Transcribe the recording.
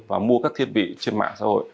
và mua các thiết bị trên mạng xã hội